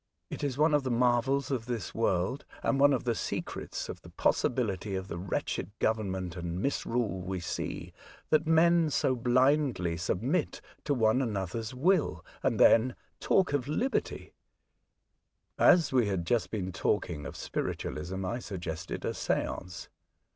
It is one of the marvels of this world, and one of the secrets of the possibility of the wretched government and misrule we see, that men so blindly submit to one another's will, and then talk of liberty." As we had been just talking of spiritualism, I suggested a seance.